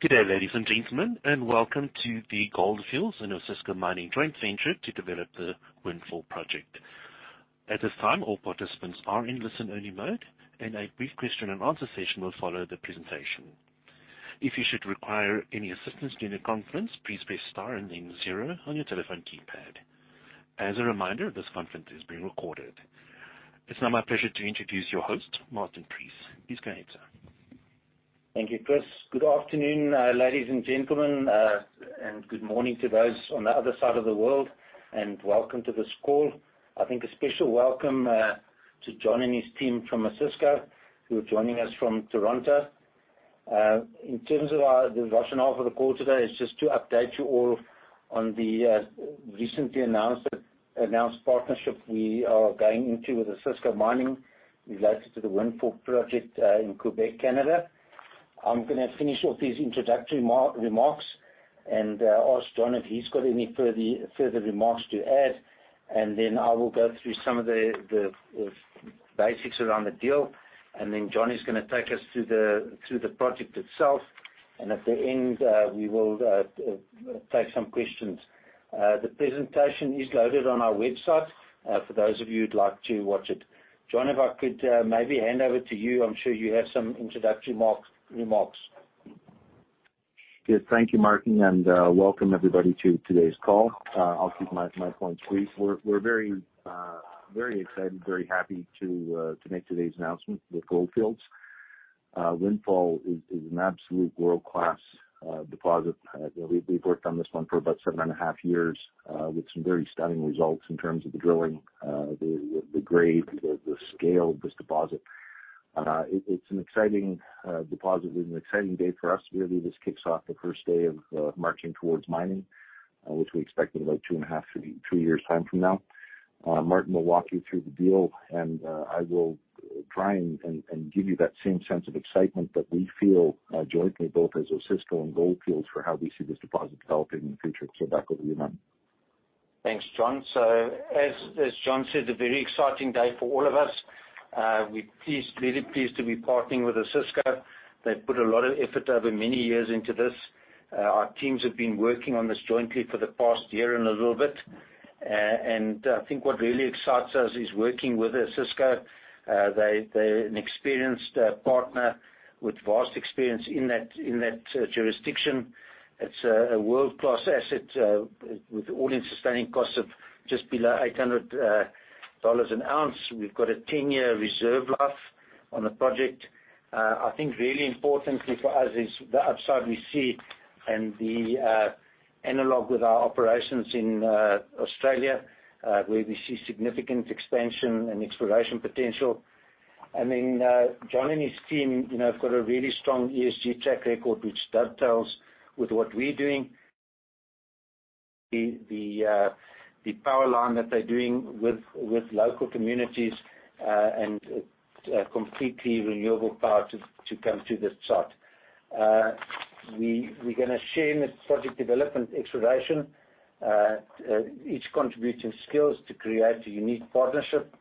Good day, ladies and gentlemen, welcome to the Gold Fields and Osisko Mining joint venture to develop the Windfall Project. At this time, all participants are in listen-only mode, and a brief question and answer session will follow the presentation. If you should require any assistance during the conference, please press star and then zero on your telephone keypad. As a reminder, this conference is being recorded. It's now my pleasure to introduce your host, Martin Preece. Please go ahead, sir. Thank you, Chris. Good afternoon, ladies and gentlemen. Good morning to those on the other side of the world. Welcome to this call. I think a special welcome to John and his team from Osisko who are joining us from Toronto. In terms of our, the rationale for the call today is just to update you all on the recently announced partnership we are going into with Osisko Mining related to the Windfall project in Quebec, Canada. I'm gonna finish off these introductory remarks and ask John if he's got any further remarks to add. Then I will go through some of the basics around the deal. Then John is gonna take us through the project itself. At the end, we will take some questions. The presentation is loaded on our website, for those of you who'd like to watch it. John, if I could, maybe hand over to you, I'm sure you have some introductory remarks. Yes. Thank you, Martin, and welcome everybody to today's call. I'll keep my points brief. We're very excited, very happy to make today's announcement with Gold Fields. Windfall is an absolute world-class deposit. You know, we've worked on this one for about 7.5 years with some very stunning results in terms of the drilling, the grade, the scale of this deposit. It's an exciting deposit. It is an exciting day for us. Really, this kicks off the first day of marching towards mining, which we expect in about 2.5-three years' time from now. Martin will walk you through the deal and I will try and give you that same sense of excitement that we feel jointly both as Osisko and Gold Fields for how we see this deposit developing in the future. Back over to you, Martin. Thanks, John. As John said, a very exciting day for all of us. We're pleased to be partnering with Osisko. They've put a lot of effort over many years into this. Our teams have been working on this jointly for the past year and a little bit. I think what really excites us is working with Osisko. They're an experienced partner with vast experience in that jurisdiction. It's a world-class asset with all-in sustaining costs of just below $800 an ounce. We've got a 10-year reserve life on the project. I think really importantly for us is the upside we see, the analog with our operations in Australia, where we see significant expansion and exploration potential. John and his team, you know, have got a really strong ESG track record, which dovetails with what we're doing, the power line that they're doing with local communities, and completely renewable power to come to the site. We're gonna share in the project development exploration, each contributing skills to create a unique partnership.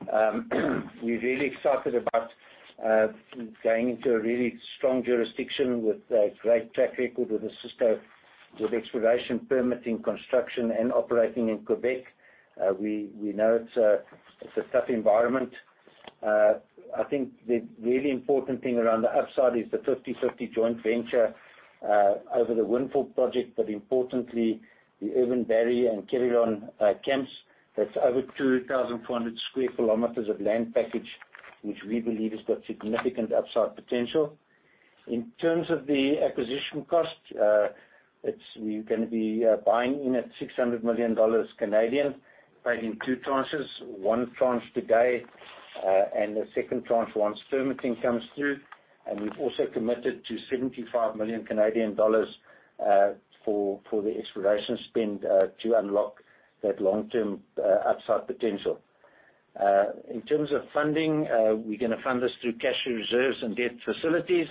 We're really excited about going into a really strong jurisdiction with a great track record with Osisko, with exploration, permitting, construction, and operating in Quebec. We know it's a tough environment. I think the really important thing around the upside is the 50/50 joint venture over the Windfall project, but importantly, the Urban Barry and Quévillon camps. That's over 2,400 sq km of land package, which we believe has got significant upside potential. In terms of the acquisition cost, we're gonna be buying in at 600 million Canadian dollars, paid in two tranches, one tranche today, and the second tranche once permitting comes through. We've also committed to 75 million Canadian dollars for the exploration spend to unlock that long-term upside potential. In terms of funding, we're gonna fund this through cash reserves and debt facilities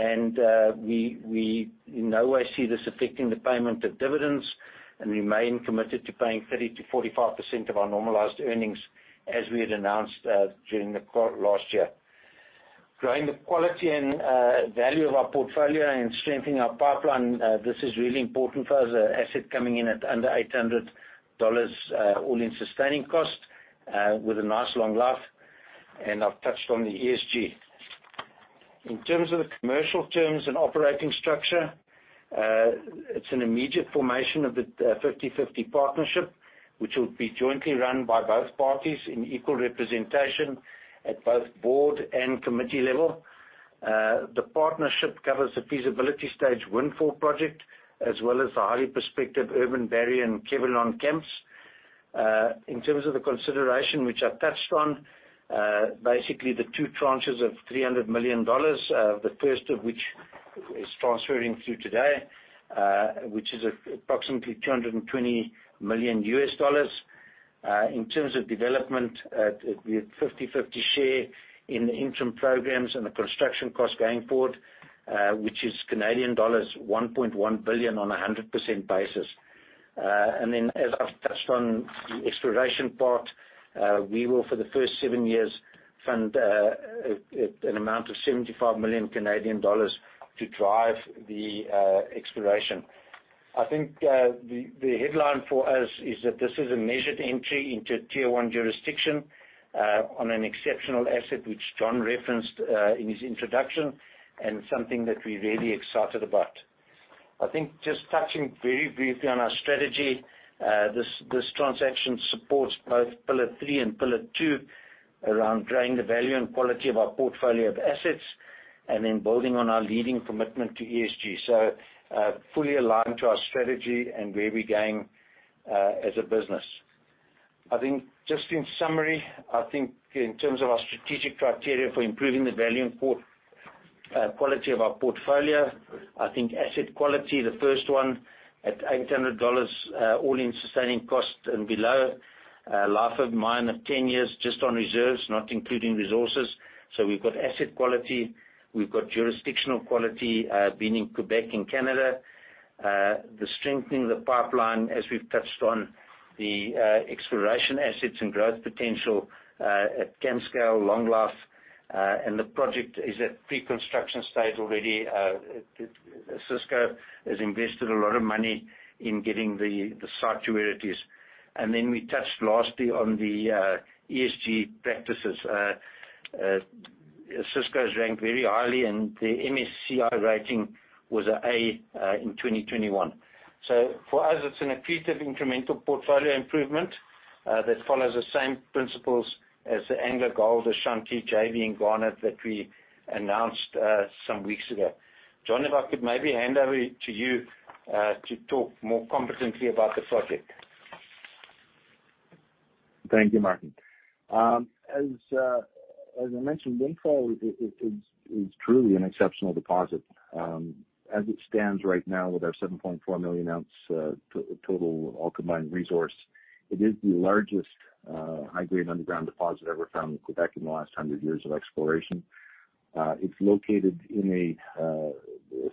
and we in no way see this affecting the payment of dividends and remain committed to paying 30%-45% of our normalized earnings as we had announced during the call last year. Growing the quality and value of our portfolio and strengthening our pipeline, this is really important for us, an asset coming in at under $800 all-in sustaining cost, with a nice long life. I've touched on the ESG. In terms of the commercial terms and operating structure, it's an immediate formation of the 50/50 partnership, which will be jointly run by both parties in equal representation at both board and committee level. The partnership covers the feasibility stage Windfall project, as well as the highly prospective Urban Barry and Quévillon camps. In terms of the consideration which I've touched on, basically the two tranches of $300 million, the first of which is transferring through today, which is approximately $220 million U.S. dollars. In terms of development, it would be a 50/50 share in the interim programs and the construction cost going forward, which is Canadian dollars 1.1 billion on a 100% basis. As I've touched on the exploration part, we will for the first seven years fund an amount of 75 million Canadian dollars to drive the exploration. I think the headline for us is that this is a measured entry into Tier One jurisdiction on an exceptional asset, which John referenced in his introduction and something that we're really excited about. I think just touching very briefly on our strategy, this transaction supports both pillar three and pillar two around growing the value and quality of our portfolio of assets and then building on our leading commitment to ESG. Fully aligned to our strategy and where we're going as a business. I think just in summary, I think in terms of our strategic criteria for improving the value and quality of our portfolio, I think asset quality, the first one at $800, all in sustaining costs and below, life of mine of 10 years just on reserves, not including resources. We've got asset quality, we've got jurisdictional quality, being in Quebec and Canada, the strengthening the pipeline, as we've touched on the exploration assets and growth potential, at scale, long life, and the project is at pre-construction stage already. Osisko has invested a lot of money in getting the site to where it is. We touched lastly on the ESG practices. Osisko is ranked very highly. The MSCI rating was a in 2021. For us, it's an accretive incremental portfolio improvement that follows the same principles as the AngloGold Ashanti JV in Ghana that we announced some weeks ago. John, if I could maybe hand over to you to talk more competently about the project. Thank you, Martin. As I mentioned, Windfall is truly an exceptional deposit. As it stands right now with our 7.4 million ounce total all combined resource, it is the largest high grade underground deposit ever found in Quebec in the last 100 years of exploration. It's located in a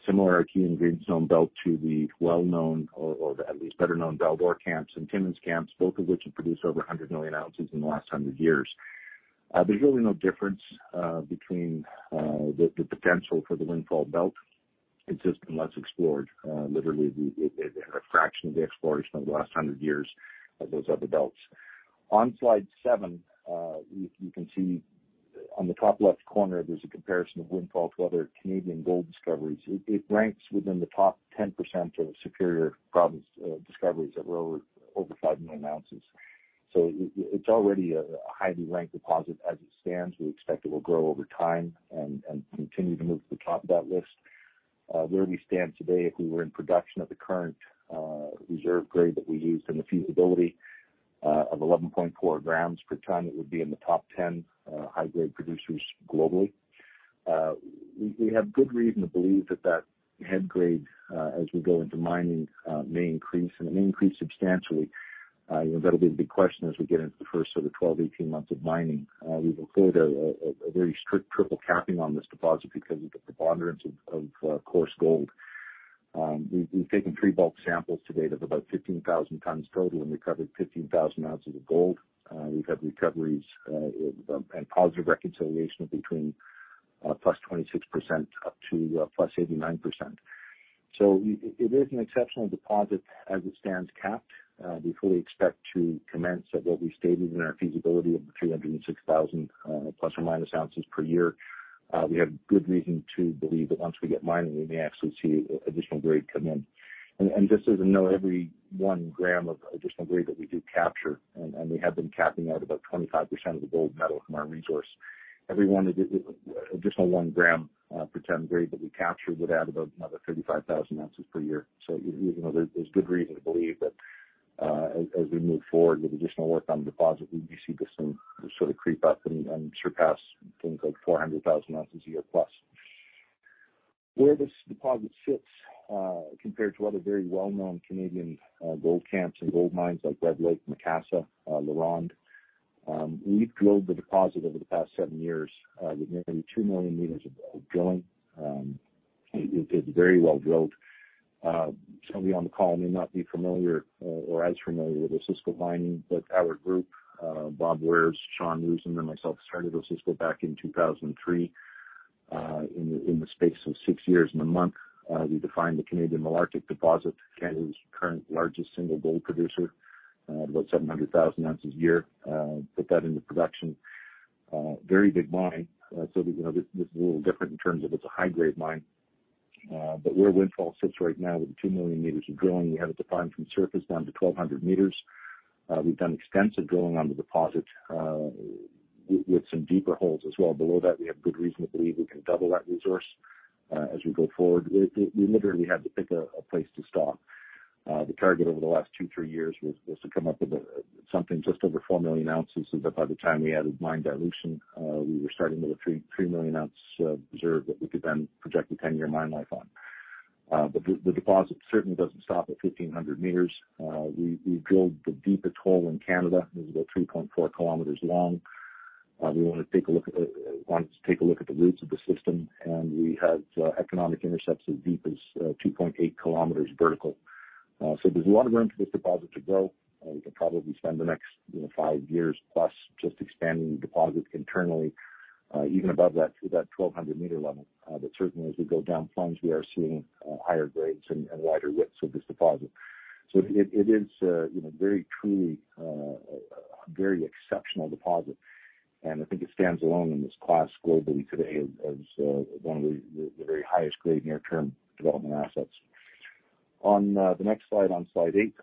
similar Archean greenstone belt to the well-known or at least better known Val-d'Or camps and Timmins camps, both of which have produced over 100 million ounces in the last 100 years. There's really no difference between the potential for the Windfall belt. It's just been less explored, literally a fraction of the exploration over the last 100 years of those other belts. On slide seven, you can see on the top left corner, there's a comparison of Windfall to other Canadian gold discoveries. It ranks within the top 10% of Superior Province discoveries that were over five million ounces. It's already a highly ranked deposit as it stands. We expect it will grow over time and continue to move to the top of that list. Where we stand today, if we were in production at the current reserve grade that we used in the feasibility of 11.4 grams per tonne, it would be in the top 10 high grade producers globally. We have good reason to believe that head grade as we go into mining may increase and it may increase substantially. You know, that'll be the big question as we get into the first sort of 12, 18 months of mining. We've afforded a very strict triple capping on this deposit because of the preponderance of coarse gold. We've taken pre-bulk samples to date of about 15,000 tonnes total, and we covered 15,000 ounces of gold. We've had recoveries and positive reconciliation of between plus 26% up to plus 89%. It is an exceptional deposit as it stands capped. We fully expect to commence at what we stated in our feasibility of 306,000 plus or minus ounces per year. We have good reason to believe that once we get mining, we may actually see additional grade come in. Just as a note, every 1 gram of additional grade that we do capture, and we have been capping out about 25% of the gold metal from our resource, every additional 1 gram per tonne grade that we capture would add about another 35,000 ounces per year. You know, there's good reason to believe that as we move forward with additional work on deposit, we see this thing sort of creep up and surpass things like 400,000 ounces a year plus. Where this deposit sits, compared to other very well-known Canadian gold camps and gold mines like Red Lake, Macassa, LaRonde, we've drilled the deposit over the past seven years with nearly two million meters of drilling. It is very well drilled. Some of you on the call may not be familiar or as familiar with Osisko Mining, but our group, Bob Wares, Sean Roosen, and myself started Osisko back in 2003. In the, in the space of six years and a month, we defined the Canadian Malartic deposit, Canada's current largest single gold producer, about 700,000 ounces a year, put that into production. Very big mine. You know, this is a little different in terms of it's a high grade mine. Where Windfall sits right now with the two million meters of drilling, we have it defined from surface down to 1,200 meters. We've done extensive drilling on the deposit, with some deeper holes as well. Below that, we have good reason to believe we can double that resource as we go forward. We literally had to pick a place to stop. The target over the last two, three years was to come up with something just over four million ounces, so that by the time we added mine dilution, we were starting with a three million ounce reserve that we could then project a 10-year mine life on. But the deposit certainly doesn't stop at 1,500 meters. We drilled the deepest hole in Canada. It was about 3.4 kilometers long. We want to take a look at the roots of the system, and we have economic intercepts as deep as 2.8 kilometers vertical. There's a lot of room for this deposit to grow. We could probably spend the next, you know, 5+ years just expanding the deposit internally, even above that, to that 1,200 meter level. Certainly as we go down plunge, we are seeing, higher grades and wider widths of this deposit. It, it is, you know, very truly, a very exceptional deposit, and I think it stands alone in this class globally today as, one of the very highest grade near-term development assets. On the next slide, on slide eight,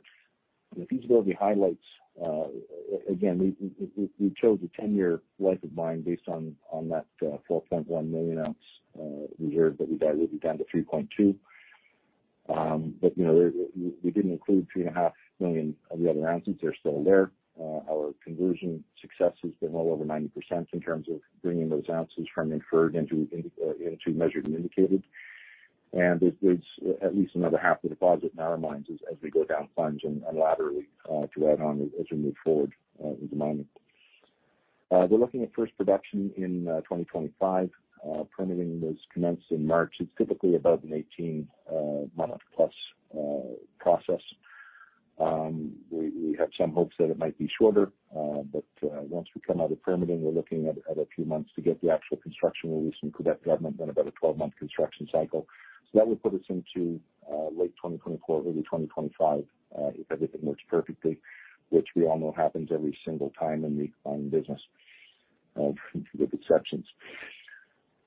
the feasibility highlights, again, we chose a 10-year life of mine based on that, 12.1 million ounce, reserve that we diluted down to 3.2 million. We didn't include 3.5 million of the other ounces. They're still there. Our conversion success has been well over 90% in terms of bringing those ounces from inferred into measured and indicated. There's at least another half the deposit in our minds as we go down plunge and laterally to add on as we move forward with the mining. We're looking at first production in 2025. Permitting has commenced in March. It's typically about an 18-month-plus process. We have some hopes that it might be shorter, once we come out of permitting, we're looking at a few months to get the actual construction release from Quebec Government, then about a 12-month construction cycle. That would put us into late 2024, early 2025, if everything works perfectly, which we all know happens every single time in the business, with exceptions.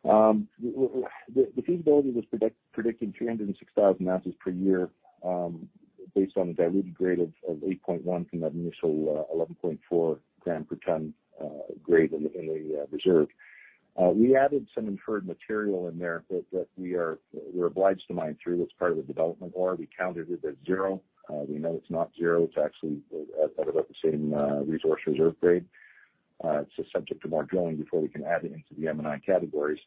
The feasibility was predicting 306,000 ounces per year, based on the diluted grade of 8.1 from that initial 11.4 gram per ton grade in the reserve. We added some inferred material in there that we are, we're obliged to mine through. That's part of the development ore. We counted it at zero. We know it's not zero. It's actually at about the same resource reserve grade. It's subject to more drilling before we can add it into the M&I categories.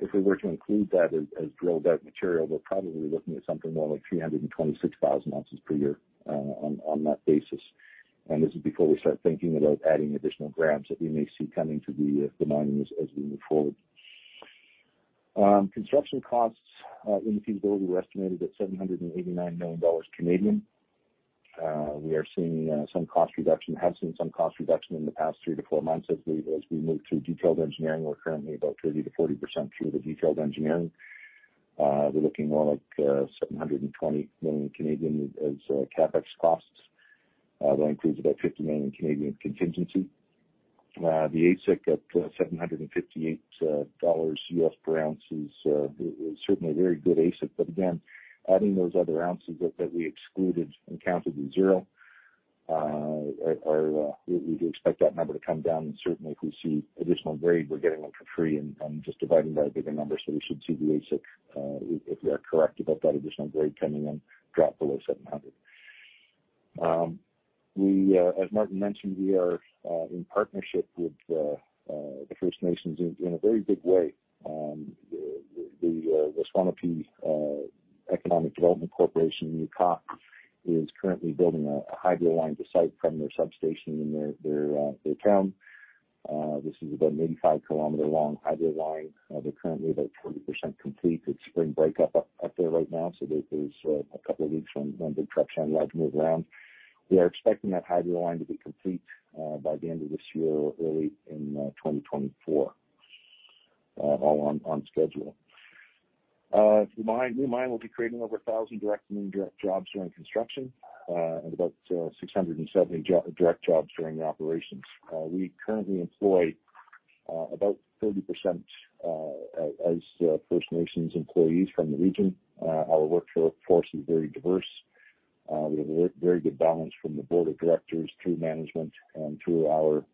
If we were to include that as drilled out material, we're probably looking at something more like 326,000 ounces per year on that basis. This is before we start thinking about adding additional grams that we may see coming to the mine as we move forward. Construction costs in the feasibility were estimated at 789 million Canadian dollars. We are seeing some cost reduction, have seen some cost reduction in the past three to four months as we move to detailed engineering. We're currently about 30%-40% through the detailed engineering. We're looking more like 720 million as CapEx costs. That includes about 50 million The AISC at $758 per ounce is certainly a very good AISC. Again, adding those other ounces that we excluded and counted to zero, we expect that number to come down. Certainly, if we see additional grade, we're getting them for free and just dividing by a bigger number. We should see the AISC, if we are correct about that additional grade coming in, drop below 700. We, as Martin mentioned, we are in partnership with the First Nations in a very big way. Cree Development Corporation, is currently building a hydro line to site from their substation in their town. This is about an 85-kilometer-long hydro line. They're currently about 20% complete. It's spring breakup up there right now, there's a couple of weeks when big trucks aren't allowed to move around. We are expecting that hydro line to be complete by the end of this year or early in 2024, all on schedule. The new mine will be creating over 1,000 direct and indirect jobs during construction, and about 670 direct jobs during the operations. We currently employ about 30% as First Nations employees from the region. Our workforce is very diverse. We have a very good balance from the board of directors through management and through our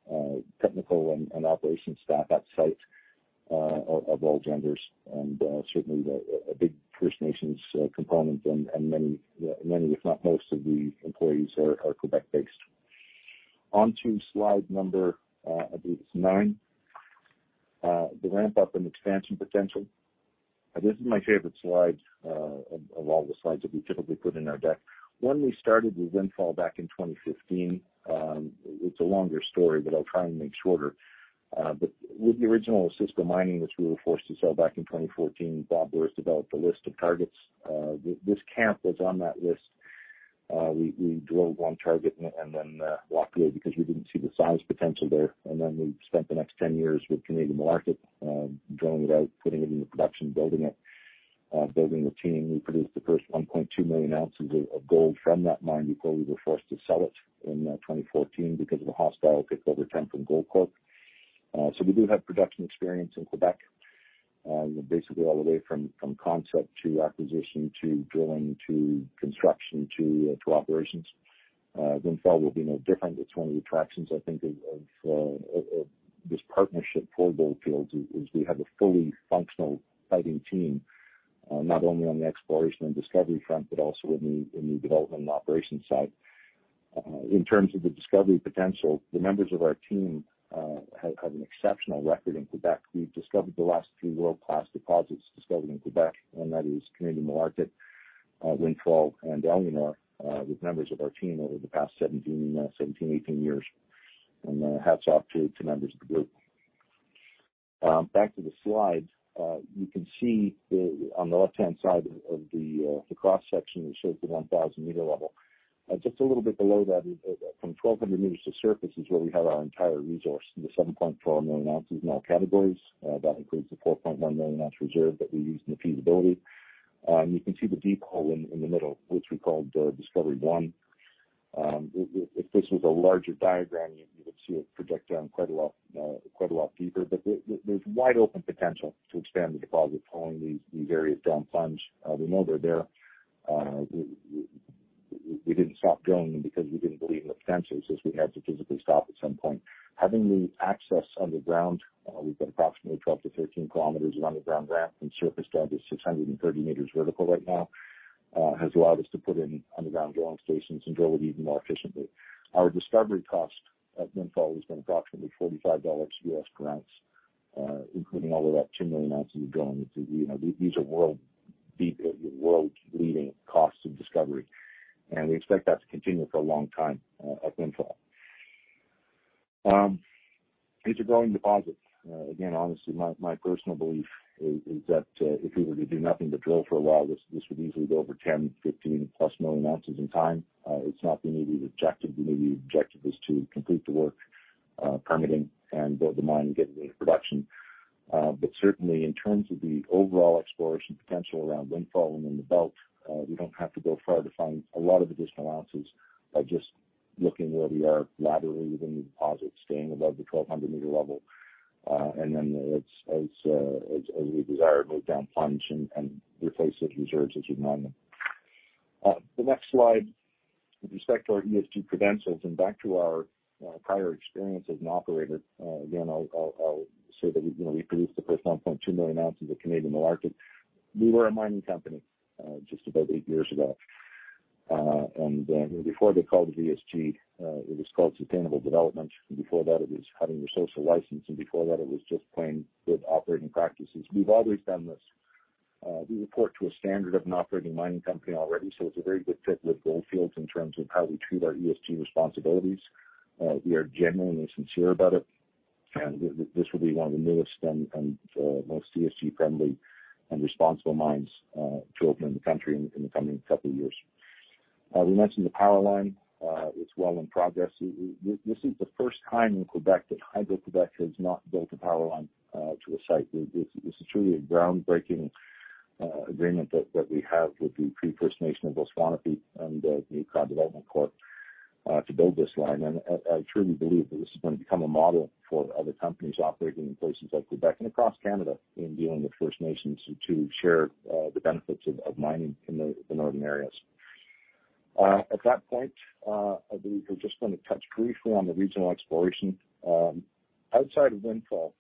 technical and operations staff at site, of all genders, and certainly the a big First Nations component and many, many, if not most of the employees are Quebec-based. On to slide number 9, the ramp-up and expansion potential. This is my favorite slide, of all the slides that we typically put in our deck. When we started with Windfall back in 2015, it's a longer story, but I'll try and make shorter. But with the original Osisko Mining, which we were forced to sell back in 2014, Bob Wares developed a list of targets. This camp was on that list. We drilled one target and then walked away because we didn't see the size potential there. Then we spent the next 10 years with Canadian Malartic, drilling it out, putting it into production, building it, building the team. We produced the first 1.2 million ounces of gold from that mine before we were forced to sell it in 2014 because of a hostile takeover attempt from Goldcorp. So we do have production experience in Quebec, basically all the way from concept to acquisition to drilling to construction to operations. Windfall will be no different. It's one of the attractions, I think, of this partnership for Gold Fields is we have a fully functional fighting team, not only on the exploration and discovery front, but also in the development and operations side. In terms of the discovery potential, the members of our team have an exceptional record in Quebec. We've discovered the last three world-class deposits discovered in Quebec, and that is Canadian Malartic, Windfall and Éléonore, with members of our team over the past 17, 18 years. Hats off to members of the group. Back to the slides. You can see the on the left-hand side of the cross-section that shows the 1,000 meter level. bit below that is from 1,200 meters to surface is where we have our entire resource, the 7.4 million ounces in all categories, that includes the 4.1 million ounce reserve that we used in the feasibility. You can see the deep hole in the middle, which we called Discovery 1. If this was a larger diagram, you would see it project down quite a lot, quite a lot deeper, but there's wide open potential to expand the deposit following these various down plunge. We know they're there. We didn't stop drilling because we didn't believe in the potential, it's just we had to physically stop at some point Having the access underground, we've got approximately 12-15 km of underground ramp from surface down to 630 meters vertical right now, has allowed us to put in underground drilling stations and drill it even more efficiently. Our discovery cost at Windfall has been approximately $45 US per ounce, including all of that two million ounces of drilling. It's, you know, these are world leading costs of discovery. We expect that to continue for a long time at Windfall. It's a growing deposit. Again, honestly, my personal belief is that if we were to do nothing but drill for a while, this would easily go over 10, 15+ million ounces in time. It's not the immediate objective. The immediate objective is to complete the work, permitting and build the mine and get into production. Certainly in terms of the overall exploration potential around Windfall and in the belt, we don't have to go far to find a lot of additional ounces by just looking where we are laterally within the deposit, staying above the 1,200 meter level. It's, it's as we desire, move down plunge and replace those reserves as you mine them. The next slide, with respect to our ESG credentials and back to our prior experience as an operator, I'll say that, you know, we produced the first 9.2 million ounces at Canadian Malartic. We were a mining company, just about 8 years ago. Before they called it ESG, it was called sustainable development, before that it was having your social license, before that it was just plain good operating practices. We've always done this. We report to a standard of an operating mining company already, so it's a very good fit with Gold Fields in terms of how we treat our ESG responsibilities. We are genuinely sincere about it, this will be one of the newest and most ESG friendly and responsible mines to open in the country in the coming couple of years. We mentioned the power line, it's well in progress. This is the first time in Quebec that Hydro-Québec has not built a power line to a site. This is truly a groundbreaking agreement that we have with the Cree First Nation of Eeyou Istchee and the new Cree Development Corporation to build this line. I truly believe that this is gonna become a model for other companies operating in places like Quebec and across Canada in dealing with First Nations to share the benefits of mining in northern areas. At that point, I believe I just wanna touch briefly on the regional exploration. Outside of Windfall,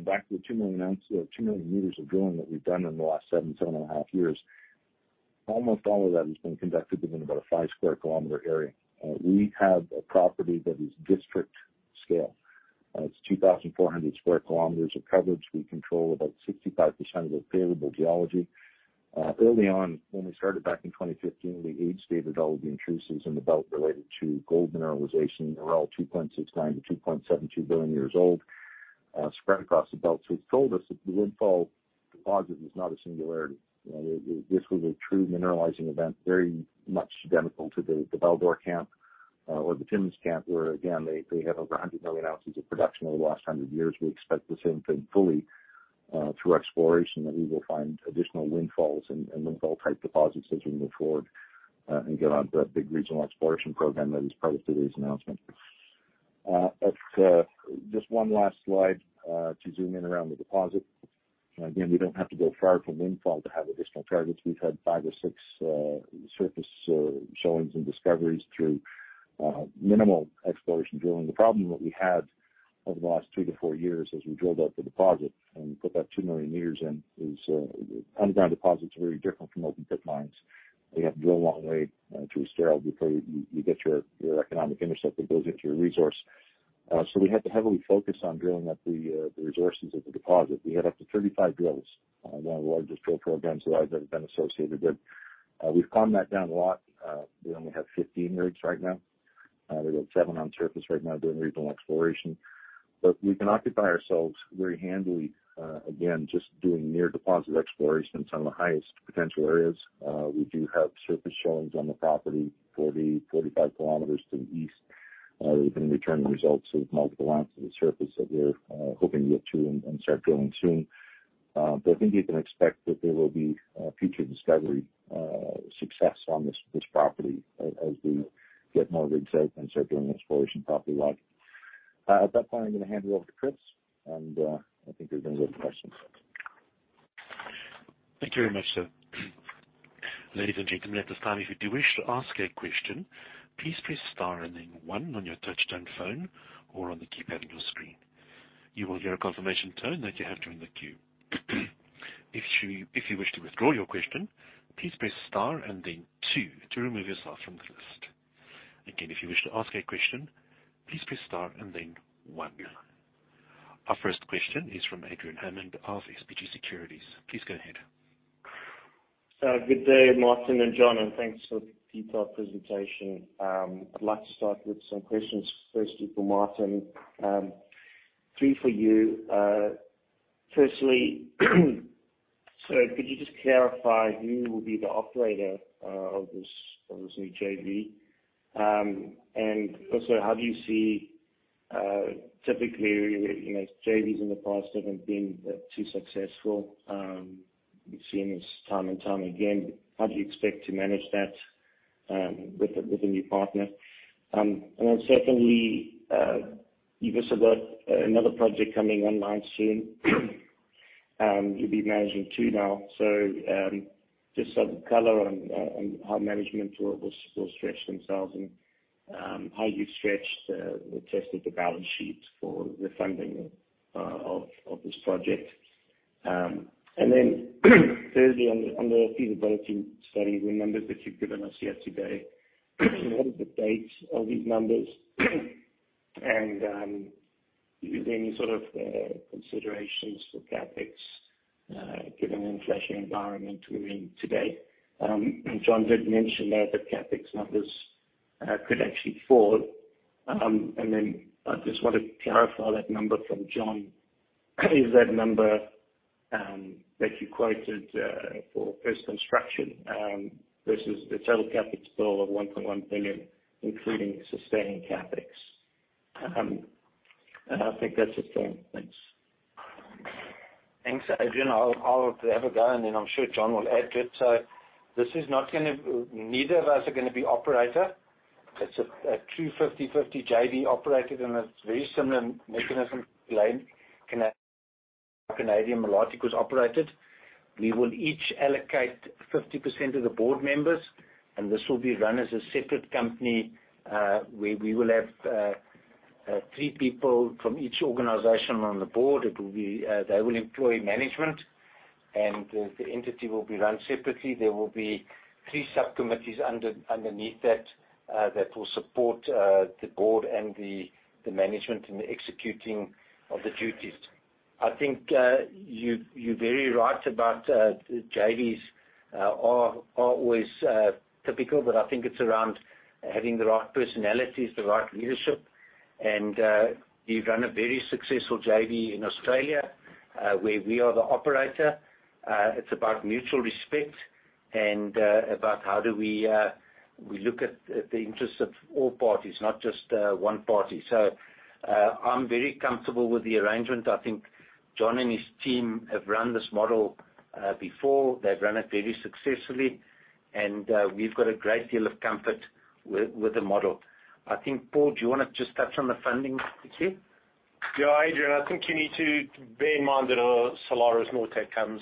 back to the 2 million ounce or 2 million meters of drilling that we've done in the last 7.5 years, almost all of that has been conducted within about a 5 sq km area. We have a property that is district scale. It's 2,400 sq km of coverage. We control about 65% of the available geology. Early on, when we started back in 2015, we age-dated all of the intrusions in the belt related to gold mineralization. They're all 2.69-2.72 billion years old, spread across the belt, which told us that the Windfall deposit was not a singularity. You know, this was a true mineralizing event, very much identical to the Val-d'Or camp, or the Timmins camp, where again, they have over 100 million ounces of production over the last 100 years. We expect the same thing fully, through exploration, that we will find additional Windfalls and Windfall type deposits as we move forward, and get on the big regional exploration program that is part of today's announcement. At just one last slide to zoom in around the deposit. Again, we don't have to go far from Windfall to have additional targets. We've had five or six surface showings and discoveries through minimal exploration drilling. The problem that we had over the last two to four years as we drilled out the deposit and put that two million meters in, is underground deposits are very different from open pit mines. You have to drill a long way through a sterile before you get your economic intercept that builds into your resource. So we had to heavily focus on drilling up the resources of the deposit. We had up to 35 drills, one of the largest drill programs that I've ever been associated with. We've calmed that down a lot. We only have 15 rigs right now. We've got seven on surface right now doing regional exploration. We can occupy ourselves very handily, again, just doing near deposit exploration in some of the highest potential areas. We do have surface showings on the property 40-45 km to the east. We've been returning results of multiple ounces of surface that we're hoping to get to and start drilling soon. I think you can expect that there will be future discovery success on this property as we get more rigs out and start doing exploration property wide. At that point, I'm gonna hand you over to Chris, I think there's gonna be questions. Thank you very much, sir. Ladies and gentlemen, at this time, if you do wish to ask a question, please press star one on your touchtone phone or on the keypad on your screen. You will hear a confirmation tone that you have joined the queue. If you wish to withdraw your question, please press star two to remove yourself from the list. Again, if you wish to ask a question, please press star one. Our first question is from Adrian Hammond of Standard Bank Group Securities. Please go ahead. Good day, Martin and John, and thanks for the detailed presentation. I'd like to start with some questions, firstly for Martin, three for you. Firstly, could you just clarify who will be the operator of this new JV? Also, how do you see, typically, you know, JVs in the past haven't been too successful. We've seen this time and time again. How do you expect to manage that with a new partner? Secondly, you've also got another project coming online soon. You'll be managing two now. Just some color on how management will stretch themselves and how you stretched or tested the balance sheet for the funding of this project. Thirdly, on the feasibility study, the numbers that you've given us here today, what are the dates of these numbers? Is there any sort of considerations for CapEx given the inflation environment we're in today? John did mention that the CapEx numbers could actually fall. I just wanna clarify that number from John. Is that number that you quoted for post-construction versus the total CapEx bill of $1.1 billion, including sustaining CapEx? I think that's it, John. Thanks. Thanks, Adrian. I'll have a go, and then I'm sure John will add to it. Neither of us are going to be operator. It's a true 50/50 JV operated, and it's very similar mechanism to how Canadian Malartic was operated. We will each allocate 50% of the board members, and this will be run as a separate company, where we will have three people from each organization on the board. It will be, they will employ management, and the entity will be run separately. There will be three subcommittees underneath that will support the board and the management in the executing of the duties. I think, you're very right about JVs are always typical, but I think it's around having the right personalities, the right leadership. We've run a very successful JV in Australia, where we are the operator. It's about mutual respect and about how do we look at the interests of all parties, not just one party. I'm very comfortable with the arrangement. I think John and his team have run this model before. They've run it very successfully, and we've got a great deal of comfort with the model. I think, Paul, do you wanna just touch on the funding piece here? Yeah, Adrian, I think you need to bear in mind that Salares Norte comes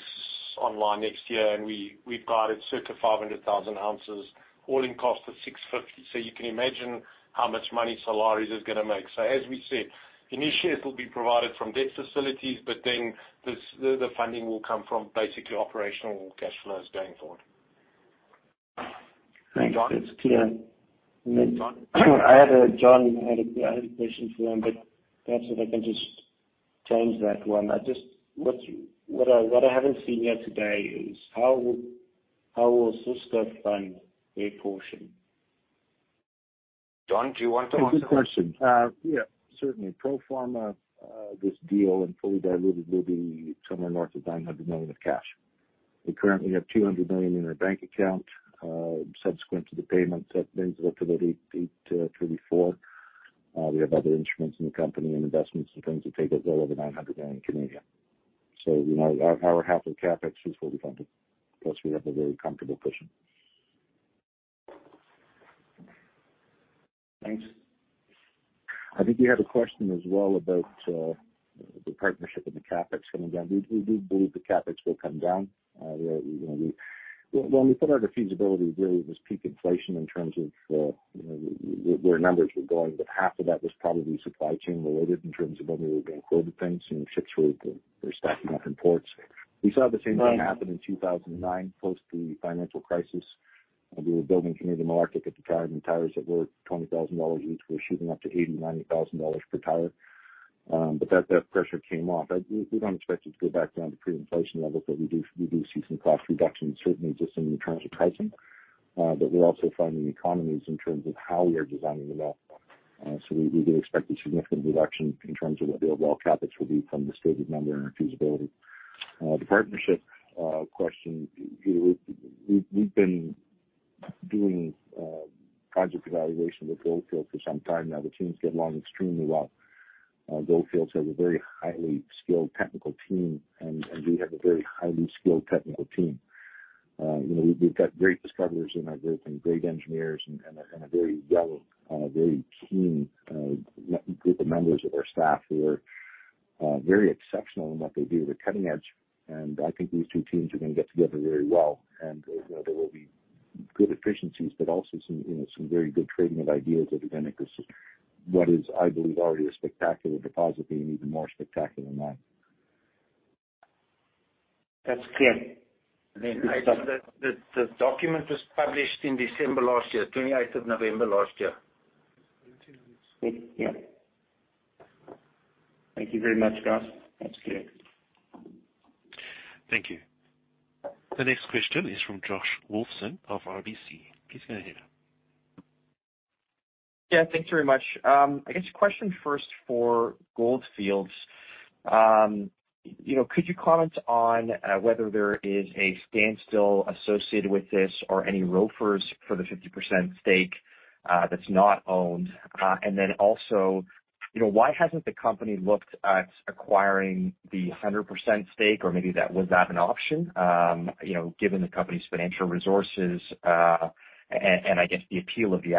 online next year. We've guided circa 500,000 ounces, all-in cost of $650. You can imagine how much money Salares is gonna make. As we said, initiatives will be provided from debt facilities, but then the funding will come from basically operational cash flows going forward. Thanks. That's clear. John? John, I had a question for him, but perhaps if I can just change that one. What I haven't seen yet today is how will Osisko fund their portion? John, do you want to answer this? Good question. Yeah. Certainly. Pro forma, this deal and fully diluted will be somewhere north of 900 million of cash. We currently have 200 million in our bank account, subsequent to the payments that 민스 worked through 2024. We have other instruments in the company and investments and things that take us well over 900 million. You know, our half of the CapEx is fully funded, plus we have a very comfortable cushion. Thanks. I think you had a question as well about the partnership and the CapEx coming down. We do believe the CapEx will come down. you know, we... When we put out our feasibility, really it was peak inflation in terms of, you know, where numbers were going. But half of that was probably supply chain related in terms of where we were going to hold the things, and ships were stacking up in ports. We saw the same thing happen in 2009, post the financial crisis. We were building Canadian Malartic at the time, and tires that were $20,000 each were shooting up to $80,000-$90,000 per tire. but that pressure came off. We don't expect it to go back down to pre-inflation levels, we do see some cost reductions, certainly just in the terms of pricing. We're also finding economies in terms of how we are designing the well. We do expect a significant reduction in terms of what their well CapEx will be from the stated number in our feasibility. The partnership question, you know, we've been doing project evaluation with Gold Fields for some time now. The teams get along extremely well. Gold Fields has a very highly skilled technical team, and we have a very highly skilled technical team. You know, we've got great discoverers in our group and great engineers and a very young, very keen group of members of our staff who are very exceptional in what they do. They're cutting edge, and I think these two teams are gonna get together very well. There will be good efficiencies, but also some, you know, some very good trading of ideas that are gonna consist what is, I believe, already a spectacular deposit being even more spectacular than that. That's clear. The document was published in December last year, 28 of November last year. Yeah. Thank you very much, guys. That's clear. Thank you. The next question is from Josh Wolfson of RBC. Please go ahead. Yeah, thanks very much. I guess a question first for Gold Fields. You know, could you comment on whether there is a standstill associated with this or any ROFRs for the 50% stake that's not owned? Then also, you know, why hasn't the company looked at acquiring the 100% stake or maybe that was not an option, you know, given the company's financial resources, and, I guess the appeal of the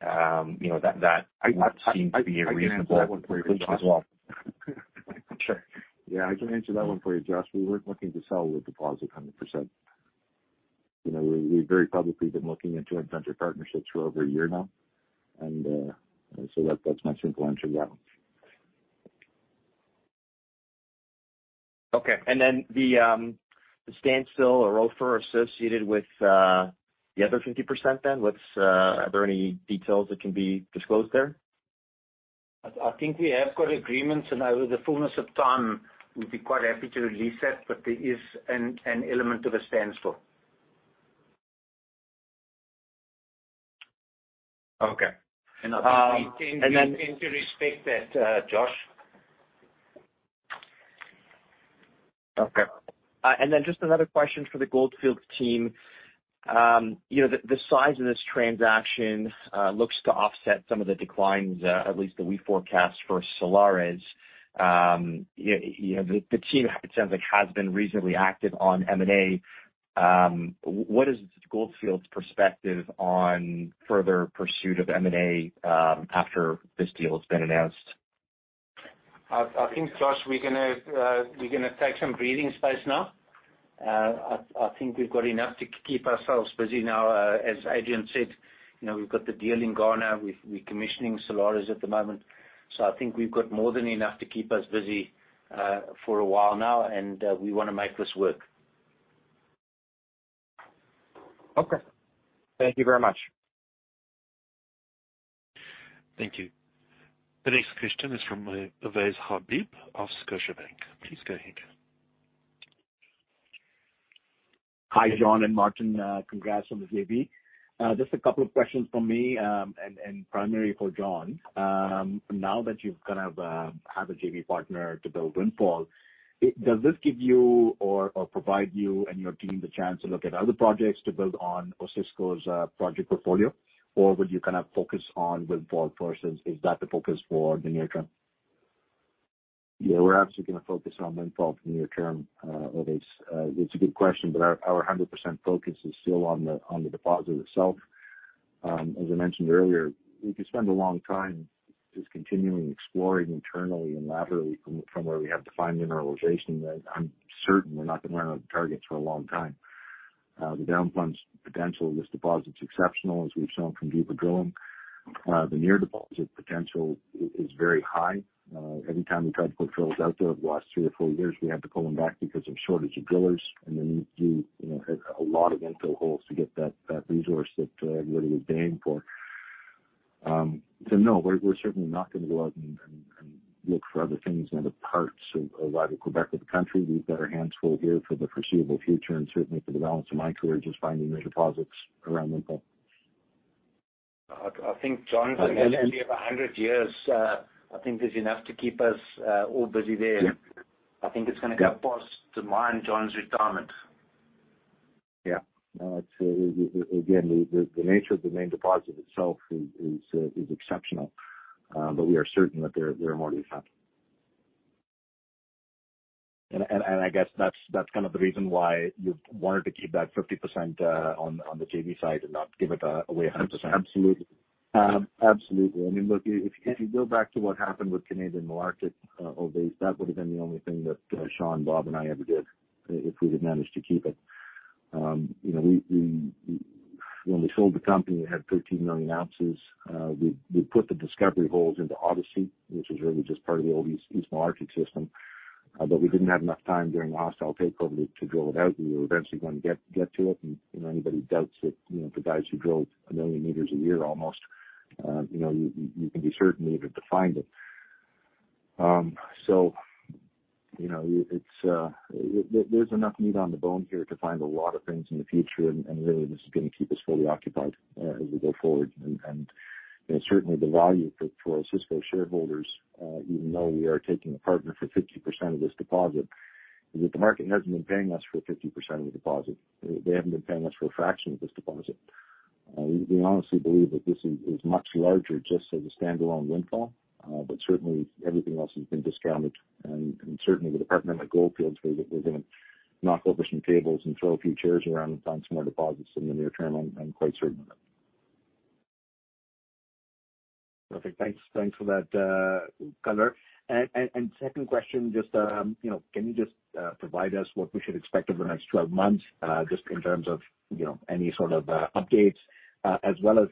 asset, you know, that would seem to be a reasonable conclusion as well? Yeah, I can answer that one for you, Josh. We weren't looking to sell the deposit 100%. You know, we've very publicly been looking at joint venture partnerships for over a year now and, that's my simple answer to that one. Okay. The standstill or ROFR associated with the other 50% then, are there any details that can be disclosed there? I think we have got agreements, and over the fullness of time, we'd be quite happy to release that, but there is an element of a standstill. Okay. We tend to respect that, Josh. Okay. Just another question for the Gold Fields team. You know, the size of this transaction looks to offset some of the declines, at least that we forecast for Salares Norte. You know, the team it sounds like has been reasonably active on M&A. What is Gold Fields perspective on further pursuit of M&A after this deal has been announced? I think, Josh, we're gonna take some breathing space now. I think we've got enough to keep ourselves busy now. As Adrian said, you know, we've got the deal in Ghana, we're commissioning Salares Norte at the moment. I think we've got more than enough to keep us busy for a while now, and we wanna make this work. Okay. Thank you very much. Thank you. The next question is from Ovais Habib of Scotiabank. Please go ahead. Hi, John and Martin. Congrats on the JV. Just a couple of questions from me, and primarily for John. Now that you've gonna have a JV partner to build Windfall, does this give you or provide you and your team the chance to look at other projects to build on Osisko's project portfolio? Or will you kinda focus on Windfall first? Is that the focus for the near term? We're absolutely gonna focus on Windfall near term, Ovais. It's a good question, our 100% focus is still on the deposit itself. As I mentioned earlier, we could spend a long time just continuing exploring internally and laterally from where we have defined mineralization that I'm certain we're not gonna run out of targets for a long time. The down plunge potential of this deposit is exceptional, as we've shown from deeper drilling. The near deposit potential is very high. Every time we tried to put drills out there over the last three or four years, we had to pull them back because of shortage of drillers. You know, had a lot of infill holes to get that resource that everybody was paying for. No, we're certainly not gonna go out and look for other things in other parts of either Quebec or the country. We've got our hands full here for the foreseeable future and certainly for the balance of my career, just finding new deposits around Windfall. I think John's longevity of 100 years, I think is enough to keep us, all busy there. Yeah. I think it's gonna go past to mine John's retirement. Yeah. No, it's again, the nature of the main deposit itself is exceptional. We are certain that there are more deposits. I guess that's kind of the reason why you wanted to keep that 50% on the JV side and not give it away 100%. Absolutely. Absolutely. I mean, look, if you, if you go back to what happened with Canadian Malartic, Ovais, that would have been the only thing that, Sean, Bob, and I ever did, if we'd have managed to keep it. You know, when we sold the company, we had 13 million ounces. We put the discovery holes into Odyssey, which is really just part of the old East Malartic system. We didn't have enough time during the hostile takeover to drill it out. We were eventually going to get to it. You know, anybody doubts it, you know, the guys who drilled 1 million meters a year almost, you know, you can be certain we would have defined it. You know, it's, there's enough meat on the bone here to find a lot of things in the future, and really, this is gonna keep us fully occupied, as we go forward. You know, certainly the value for Osisko shareholders, even though we are taking a partner for 50% of this deposit, is that the market hasn't been paying us for 50% of the deposit. They haven't been paying us for a fraction of this deposit. We honestly believe that this is much larger just as a standalone Windfall, but certainly everything else has been discounted. Certainly the department at Gold Fields, we're gonna knock over some tables and throw a few chairs around and find some more deposits in the near term. I'm quite certain of that. Perfect. Thanks. Thanks for that color. Second question, just, you know, can you just provide us what we should expect over the next 12 months, just in terms of, you know, any sort of updates, as well as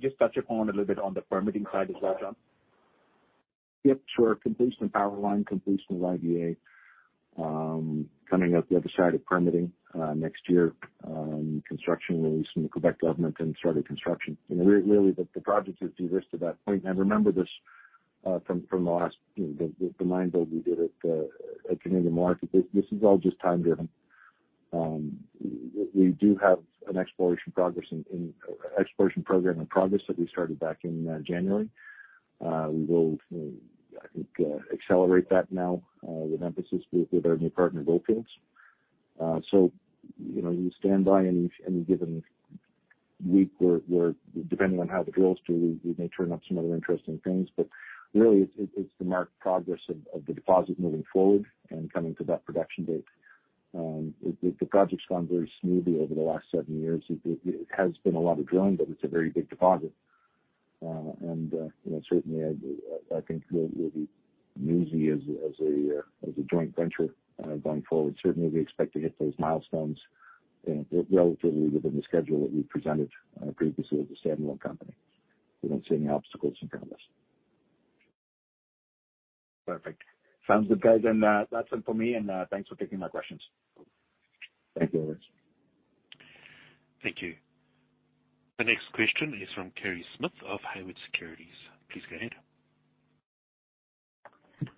just touch upon a little bit on the permitting side as well, John? Yep, sure. Completion of power line, completion of the IBA, coming up the other side of permitting, next year, construction release from the Quebec government, then start of construction. You know, really, the project is derisked at that point. Remember this, from the last, you know, the mine build we did at Canadian Malartic, this is all just time driven. We do have an exploration program in progress that we started back in January. We will, you know, I think, accelerate that now, with emphasis with our new partner, Gold Fields. You know, you stand by any given week where depending on how the drills do, we may turn up some other interesting things, but really it's to mark progress of the deposit moving forward and coming to that production date. The project's gone very smoothly over the last seven years. It has been a lot of drilling, but it's a very big deposit. You know, certainly I think we'll be newsy as a joint venture going forward. Certainly we expect to hit those milestones relatively within the schedule that we presented previously as a standalone company. We don't see any obstacles in front of us. Perfect. Sounds good, guys. That's it for me, and thanks for taking my questions. Thank you, Luis. Thank you. The next question is from Kerry Smith of Haywood Securities. Please go ahead.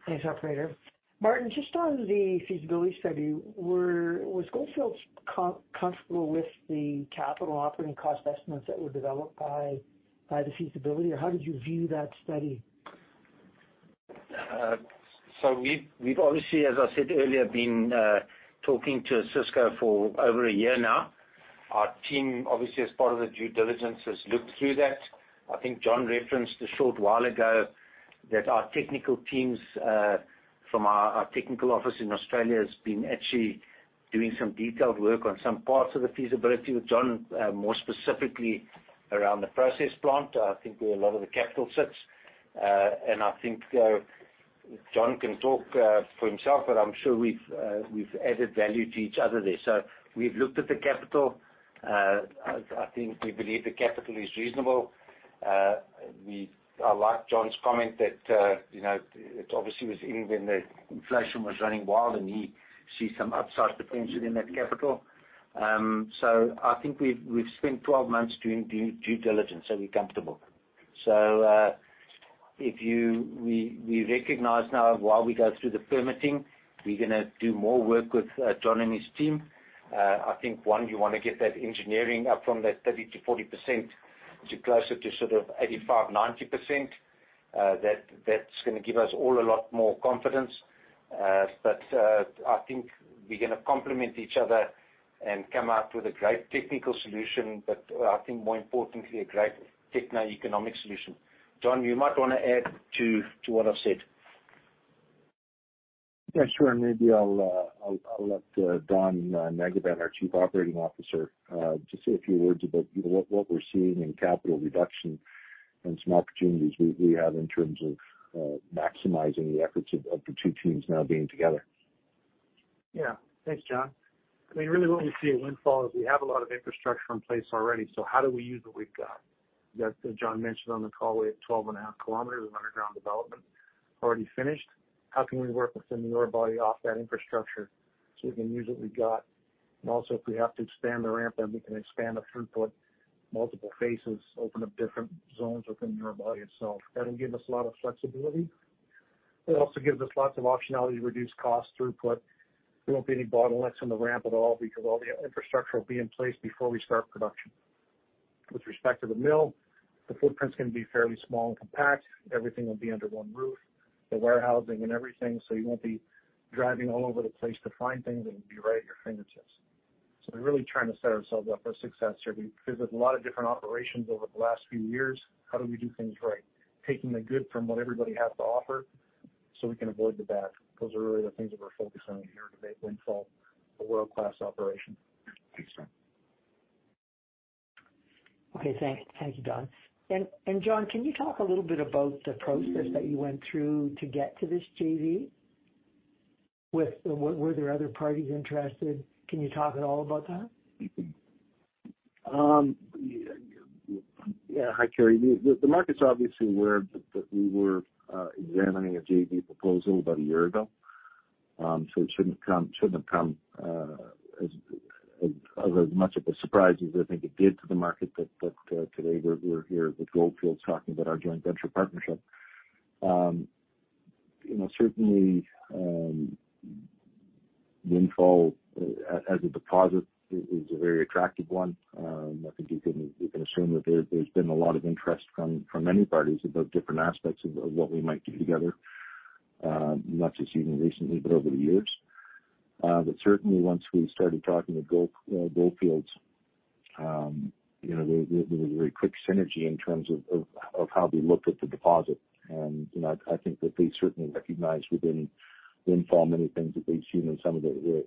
Thanks, operator. Martin, just on the feasibility study, was Gold Fields comfortable with the capital operating cost estimates that were developed by the feasibility, or how did you view that study? We've obviously, as I said earlier, been talking to Osisko for over a year now. Our team, obviously as part of the due diligence, has looked through that. I think John referenced a short while ago that our technical teams from our technical office in Australia has been actually doing some detailed work on some parts of the feasibility with John, more specifically around the process plant, I think where a lot of the capital sits. I think John can talk for himself, but I'm sure we've added value to each other there. We've looked at the capital. I think we believe the capital is reasonable. We. I like John's comment that, you know, it obviously was in when the inflation was running wild, and he sees some upside potential in that capital. I think we've spent 12 months doing due diligence, so we're comfortable. If you. We recognize now while we go through the permitting, we're gonna do more work with John and his team. I think, one, you want to get that engineering up from that 30%-40% to closer to sort of 85%-90%. That's gonna give us all a lot more confidence. I think we're gonna complement each other and come out with a great technical solution, but I think more importantly, a great techno-economic solution. John, you might wanna add to what I've said. Yeah, sure. Maybe I'll let Don Meggersen, our Chief Operating Officer, just say a few words about, you know, what we're seeing in capital reduction and some opportunities we have in terms of maximizing the efforts of the two teams now being together. Yeah. Thanks, John. I mean, really what we see at Windfall is we have a lot of infrastructure in place already, so how do we use what we've got? That, as John mentioned on the call, we have 12.5 kilometers of underground development already finished. How can we work within the ore body off that infrastructure so we can use what we've got? Also if we have to expand the ramp then we can expand the throughput, multiple phases, open up different zones within the ore body itself. That'll give us a lot of flexibility. It also gives us lots of optionality to reduce costs, throughput. There won't be any bottlenecks in the ramp at all because all the infrastructure will be in place before we start production. With respect to the mill, the footprint's gonna be fairly small and compact. Everything will be under one roof, the warehousing and everything, so you won't be driving all over the place to find things. It'll be right at your fingertips. We're really trying to set ourselves up for success here. We've visited a lot of different operations over the last few years. How do we do things right? Taking the good from what everybody has to offer so we can avoid the bad. Those are really the things that we're focusing on here to make Windfall a world-class operation. Thanks, Don. Okay, thank you, Don. John, can you talk a little bit about the process that you went through to get to this JV? Were there other parties interested? Can you talk at all about that? Yeah. Hi, Kerry. The market's obviously aware that we were examining a JV proposal about a year ago. It shouldn't have come as much of a surprise as I think it did to the market that today we're here with Gold Fields talking about our joint venture partnership. You know, certainly, Windfall as a deposit is a very attractive one. I think you can assume that there's been a lot of interest from many parties about different aspects of what we might do together, not just even recently, but over the years. Certainly once we started talking to Gold Fields, you know, there was very quick synergy in terms of how they looked at the deposit. You know, I think that they certainly recognize within Windfall many things that they've seen in some of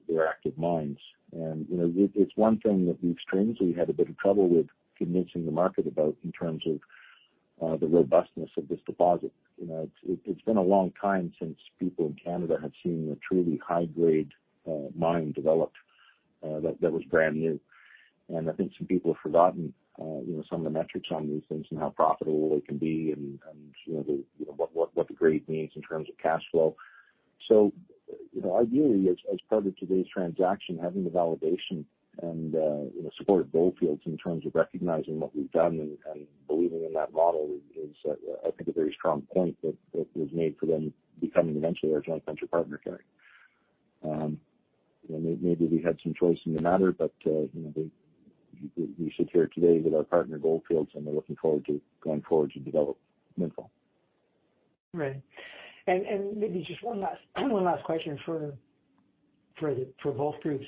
their active mines. You know, it's one thing that we've strangely had a bit of trouble with convincing the market about in terms of the robustness of this deposit. You know, it's been a long time since people in Canada have seen a truly high-grade mine developed. That was brand new. I think some people have forgotten, you know, some of the metrics on these things and how profitable they can be and, you know, the what the grade means in terms of cash flow. you know, ideally, as part of today's transaction, having the validation and, you know, support of Gold Fields in terms of recognizing what we've done and believing in that model is, I think a very strong point that was made for them becoming eventually our joint venture partner, Kerry. Maybe we had some choice in the matter, but, you know, we sit here today with our partner, Gold Fields, and we're looking forward to going forward to develop Windfall. Right. Maybe just one last question for the for both groups?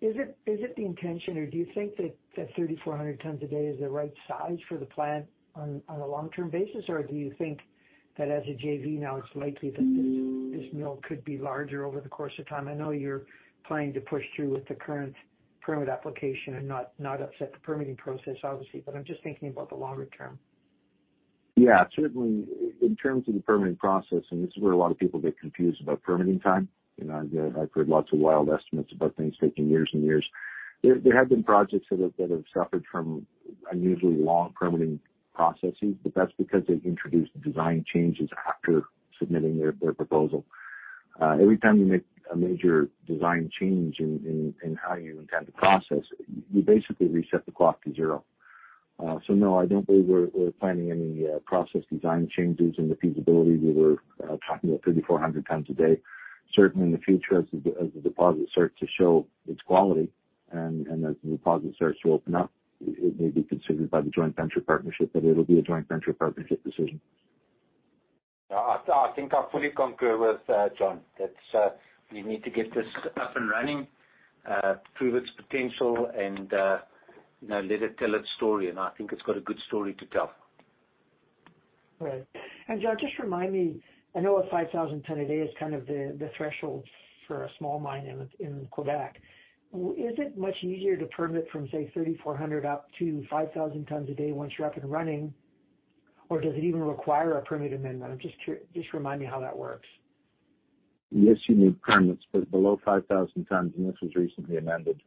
Is it the intention or do you think that 3,400 tons a day is the right size for the plant on a long-term basis? Do you think that as a JV now it's likely that this mill could be larger over the course of time? I know you're planning to push through with the current permit application and not upset the permitting process, obviously, but I'm just thinking about the longer term. Yeah, certainly in terms of the permitting process. This is where a lot of people get confused about permitting time, you know, I've heard lots of wild estimates about things taking years and years. There have been projects that have suffered from unusually long permitting processes, but that's because they've introduced design changes after submitting their proposal. Every time you make a major design change in how you intend to process, you basically reset the clock to zero. No, I don't believe we're planning any process design changes. In the feasibility, we were talking about 3,400 tons a day. Certainly, in the future, as the deposit starts to show its quality and as the deposit starts to open up, it may be considered by the joint venture partnership, but it'll be a joint venture partnership decision. Yeah. I think I fully concur with John, that we need to get this up and running, prove its potential and, you know, let it tell its story, and I think it's got a good story to tell. Right. John, just remind me, I know a 5,000 ton a day is kind of the threshold for a small mine in Quebec. Is it much easier to permit from, say, 3,400 up to 5,000 tons a day once you're up and running, or does it even require a permit amendment? Just remind me how that works. Yes, you need permits, but below 5,000 tons, and this was recently amended,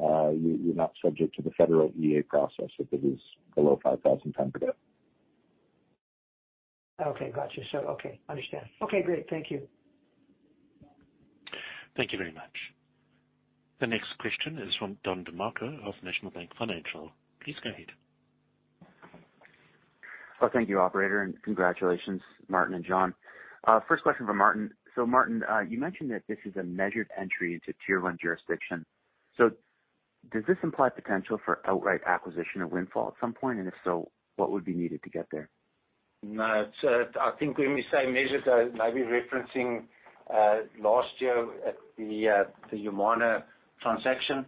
you're not subject to the federal EA process if it is below 5,000 tons a day. Okay. Gotcha. Okay. Understand. Okay, great. Thank you. Thank you very much. The next question is from Don DeMarco of National Bank Financial. Please go ahead. Well, thank you, operator, and congratulations, Martin and John. First question for Martin. Martin, you mentioned that this is a measured entry into tier one jurisdiction. Does this imply potential for outright acquisition of Windfall at some point? If so, what would be needed to get there? No. I think when we say measured, maybe referencing, last year at the Yamana transaction,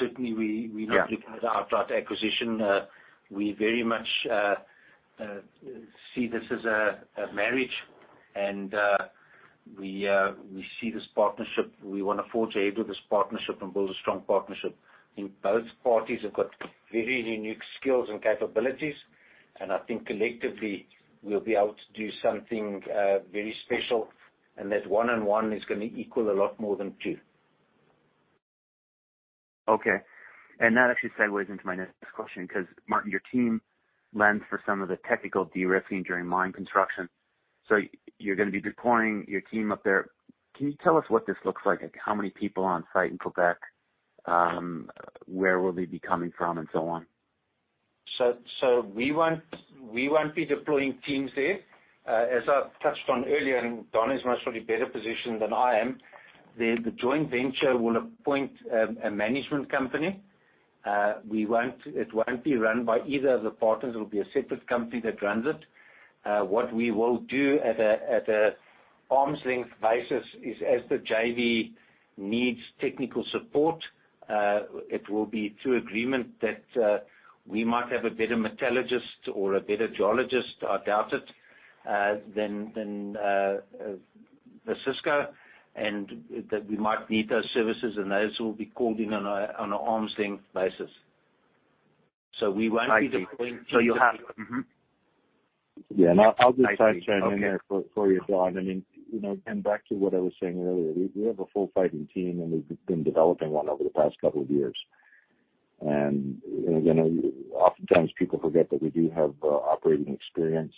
certainly we. Yeah. Not looking at outright acquisition. We very much, see this as a marriage and, we see this partnership, we wanna forge ahead with this partnership and build a strong partnership. I think both parties have got very unique skills and capabilities, and I think collectively, we'll be able to do something, very special and that one and one is gonna equal a lot more than two. That actually segues into my next question, 'cause Martin, your team lends for some of the technical de-risking during mine construction. So you're gonna be deploying your team up there. Can you tell us what this looks like? How many people on site in Quebec, where will they be coming from and so on? We won't be deploying teams there. As I've touched on earlier, and Don is most probably better positioned than I am, the joint venture will appoint a management company. It won't be run by either of the partners. It'll be a separate company that runs it. What we will do at an arm's length basis is, as the JV needs technical support, it will be through agreement that we might have a better metallurgist or a better geologist, I doubt it, than Vasisco, and that we might need those services, and those will be called in on an arm's length basis. We won't be deploying. I see. Mm-hmm. Yeah. I'll just side chain in there for you, Don. I mean, you know, and back to what I was saying earlier, we have a full fighting team, and we've been developing one over the past couple of years. You know, again, oftentimes people forget that we do have operating experience.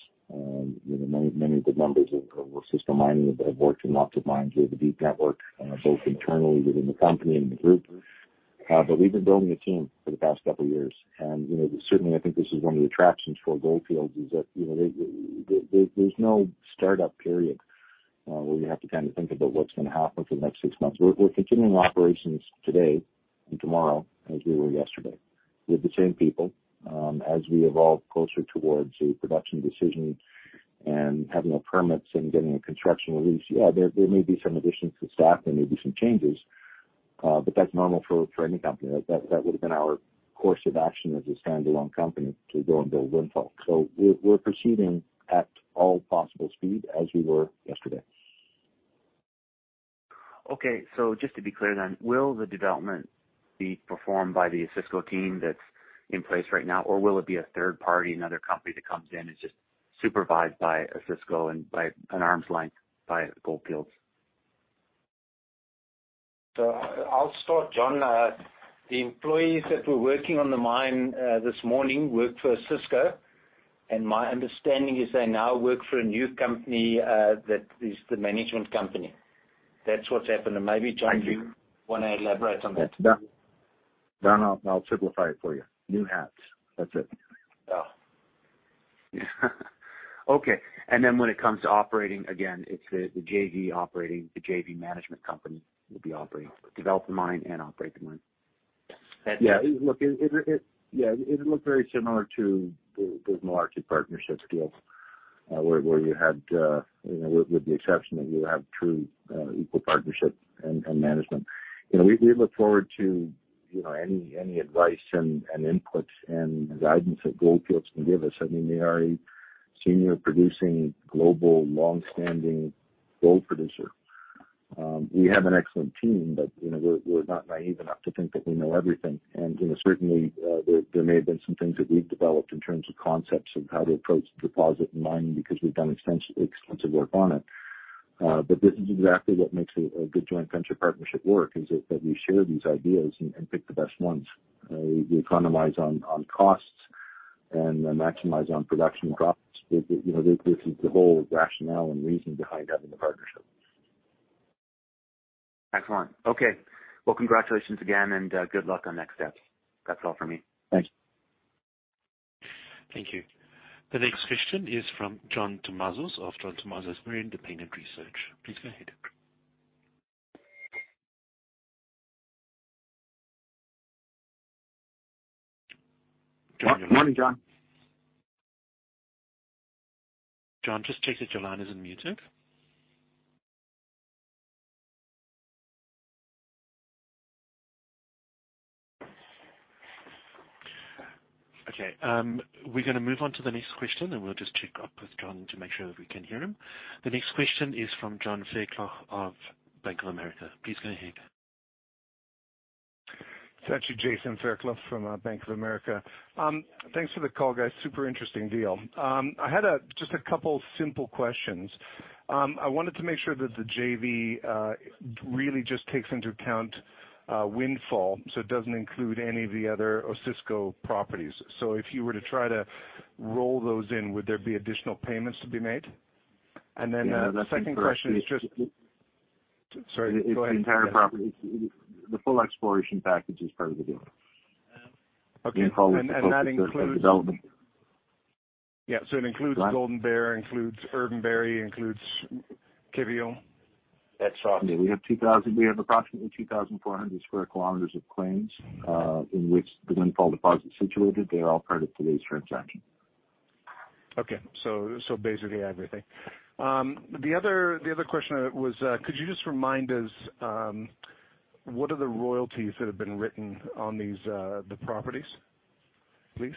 You know, many of the members of Osisko Mining have worked in lots of mines. We have a deep network, both internally within the company and the group. We've been building a team for the past couple of years. You know, certainly I think this is one of the attractions for Gold Fields is that, you know, there's no startup period, where you have to kind of think about what's gonna happen for the next 6 months. We're continuing operations today and tomorrow as we were yesterday, with the same people. As we evolve closer towards a production decision and having our permits and getting a construction release, there may be some additions to staff, there may be some changes, but that's normal for any company. That would have been our course of action as a standalone company to go and build Windfall. We're proceeding at all possible speed as we were yesterday. Okay. Just to be clear, will the development? Be performed by the Osisko team that's in place right now, or will it be a third party, another company that comes in and just supervised by Osisko and by an arm's length by Gold Fields? I'll start, John. The employees that were working on the mine, this morning worked for Osisko, and my understanding is they now work for a new company, that is the management company. That's what's happened. Maybe, John, you wanna elaborate on that? Don, I'll simplify it for you. New hats. That's it. Oh. Okay. When it comes to operating again, it's the JV operating, the JV management company will be operating, develop the mine and operate the mine. Yeah. Look, it. Yeah, it'll look very similar to the, those Malartic partnership deals, where you had, you know, with the exception that you have true, equal partnership and management. You know, we look forward to, you know, any advice and inputs and guidance that Gold Fields can give us. I mean, they are a senior producing global long-standing gold producer. We have an excellent team, but, you know, we're not naive enough to think that we know everything. You know, certainly, there may have been some things that we've developed in terms of concepts of how to approach deposit and mining because we've done extensive work on it. This is exactly what makes a good joint venture partnership work, is that we share these ideas and pick the best ones. We economize on costs and maximize on production profits. You know, this is the whole rationale and reason behind having the partnership. Excellent. Okay. Congratulations again, and good luck on next steps. That's all for me. Thanks. Thank you. The next question is from John Tumazos of John Tumazos Very Independent Research. Please go ahead. John. Good morning, John. John, just check that your line isn't muted. Okay, we're gonna move on to the next question, and we'll just check up with John to make sure that we can hear him. The next question is from Jason Fairclough of Bank of America. Please go ahead. It's actually Jason Fairclough from Bank of America. Thanks for the call, guys. Super interesting deal. I had just a couple simple questions. I wanted to make sure that the JV really just takes into account Windfall, so it doesn't include any of the other Osisko properties. If you were to try to roll those in, would there be additional payments to be made? The second question is. Yeah, that's it. Sorry, go ahead. The full exploration package is part of the deal. Okay. and that includes- Being followed through development. Yeah. It includes Golden Bear, includes Urban Barry, includes Quévillon. That's right. We have approximately 2,400 sq km of claims, in which the Windfall deposit is situated. They're all part of today's transaction. Okay. Basically everything. The other question was, could you just remind us, what are the royalties that have been written on these, the properties, please?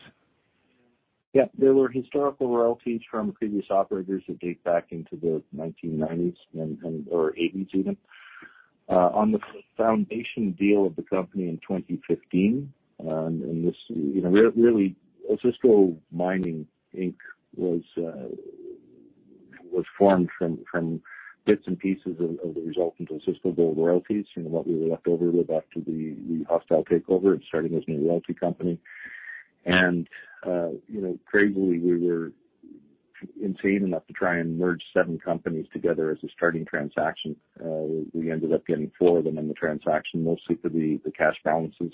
There were historical royalties from previous operators that date back into the 1990s and/or 1980s even. On the foundation deal of the company in 2015, and this, you know, really Osisko Mining Inc. was formed from bits and pieces of the result into Osisko Gold Royalties, you know, what we were left over with after the hostile takeover and starting this new royalty company. You know, crazily, we were insane enough to try and merge 7 companies together as a starting transaction. We ended up getting 4 of them in the transaction, mostly for the cash balances.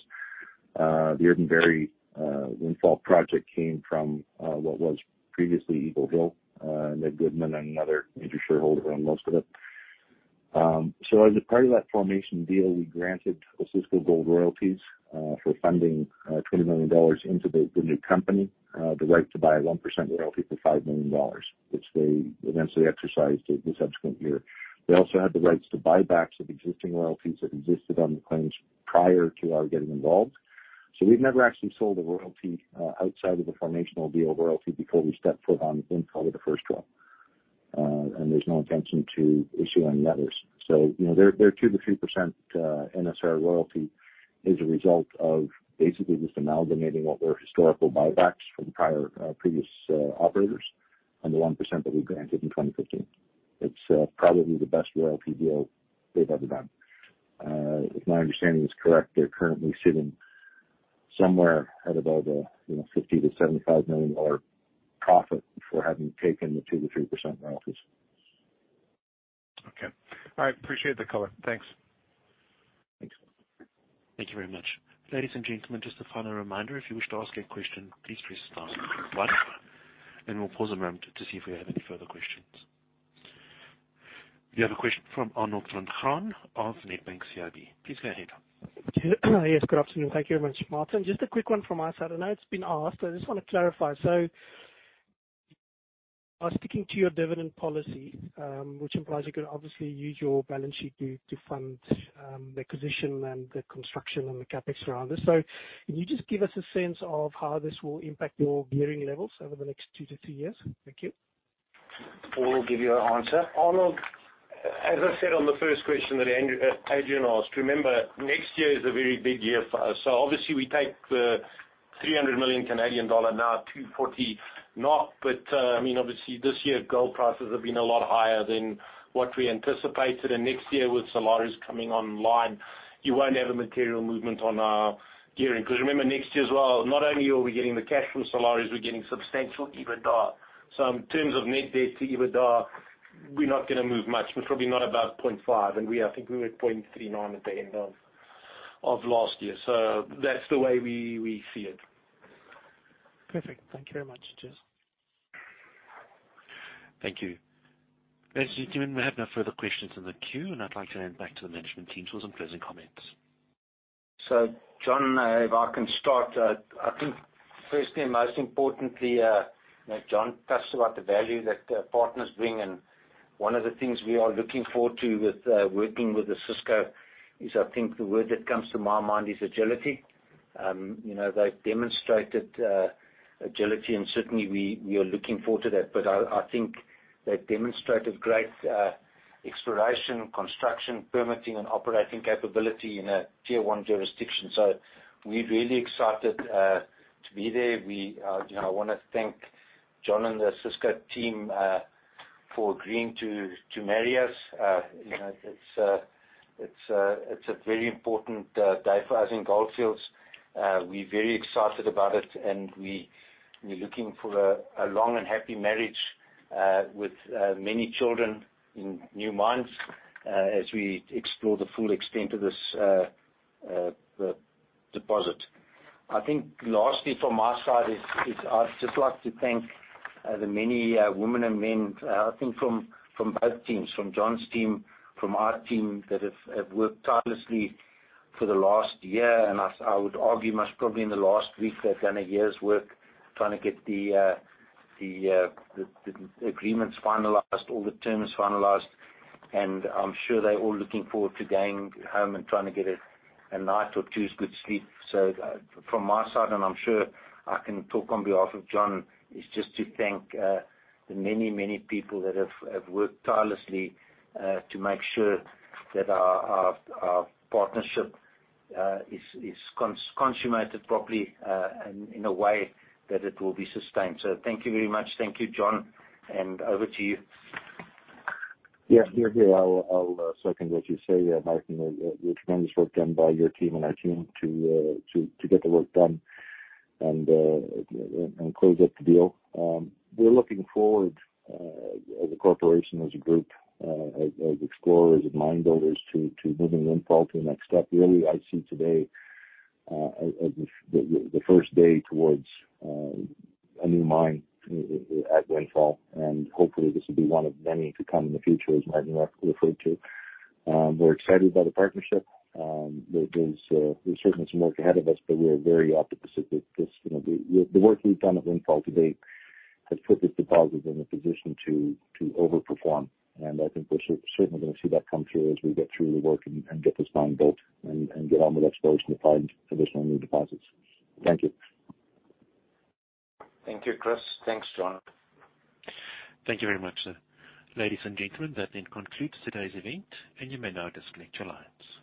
The Urban Barry, Windfall project came from, what was previously Eagle Hill, Ned Goodman, another major shareholder on most of it. As a part of that formation deal, we granted Osisko Gold Royalties for funding $20 million into the new company, the right to buy 1% royalty for $5 million, which they eventually exercised in the subsequent year. They also had the rights to buybacks of existing royalties that existed on the claims prior to our getting involved. We've never actually sold a royalty outside of the formational deal royalty before we stepped foot on Windfall or the first drop. There's no intention to issue any letters. You know, their 2%-3% NSR royalty is a result of basically just amalgamating what were historical buybacks from prior previous operators on the 1% that we granted in 2015. It's probably the best royalty deal they've ever done. If my understanding is correct, they're currently sitting somewhere at about a, you know, $50 million-$75 million profit for having taken the 2%-3% royalties. Okay. All right. Appreciate the color. Thanks. Thanks. Thank you very much. Ladies and gentlemen, just a final reminder, if you wish to ask a question, please raise star and one. We'll pause a moment to see if we have any further questions. We have a question from Arnold van Graan of Nedbank CIB. Please go ahead. Yes, good afternoon. Thank you very much, Martin. Just a quick one from our side. I know it's been asked, I just want to clarify. Are sticking to your dividend policy, which implies you could obviously use your balance sheet to fund the acquisition and the construction and the CapEx around this. Can you just give us a sense of how this will impact your gearing levels over the next two to three years? Thank you. Paul will give you an answer. Arnold, as I said on the first question that Adrian asked, remember, next year is a very big year for us, so obviously we take the 300 million Canadian dollar, now 240 million. I mean, obviously this year gold prices have been a lot higher than what we anticipated. Next year with Salares Norte coming online, you won't have a material movement on our gearing. 'Cause remember next year as well, not only are we getting the cash from Salares Norte, we're getting substantial EBITDA. In terms of net debt to EBITDA, we're not gonna move much. We're probably not above 0.5, and I think we were at 0.39 at the end of last year. That's the way we see it. Perfect. Thank you very much. Cheers. Thank you. Ladies and gentlemen, we have no further questions in the queue, and I'd like to hand back to the management team for some closing comments. John, if I can start, I think firstly and most importantly, you know, John talks about the value that partners bring, and one of the things we are looking forward to with working with Osisko is, I think the word that comes to my mind is agility. You know, they've demonstrated agility and certainly we are looking forward to that. I think they've demonstrated great exploration, construction, permitting and operating capability in a tier one jurisdiction. We're really excited to be there. We, you know, I wanna thank John and the Osisko team for agreeing to marry us. You know, it's a very important day for us in Gold Fields. We're very excited about it and we're looking for a long and happy marriage with many children in new mines as we explore the full extent of this deposit. I think lastly from my side is I'd just like to thank the many women and men, I think from both teams, from John's team, from our team, that have worked tirelessly for the last year, and I would argue most probably in the last week they've done a year's work trying to get the agreements finalized, all the terms finalized. I'm sure they're all looking forward to going home and trying to get a night or two's good sleep. From my side, and I'm sure I can talk on behalf of John, is just to thank the many people that have worked tirelessly to make sure that our partnership is consummated properly and in a way that it will be sustained. Thank you very much. Thank you, John, and over to you. Yeah. Hear, hear. I'll second what you say, Martin. The tremendous work done by your team and our team to get the work done and close up the deal. We're looking forward as a corporation, as a group, as explorers and mine builders to moving Windfall to the next step. Really, I see today as the first day towards a new mine at Windfall, and hopefully this will be one of many to come in the future, as Martin referred to. We're excited by the partnership. There's certainly some work ahead of us, but we are very optimistic that this, you know... The work we've done at Windfall to date has put this deposit in a position to overperform, and I think we're certainly gonna see that come through as we get through the work and get this mine built and get on with exploration to find additional new deposits. Thank you. Thank you, Chris. Thanks, John. Thank you very much, sir. Ladies and gentlemen, that then concludes today's event, and you may now disconnect your lines.